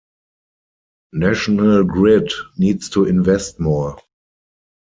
National Grid needs to invest more.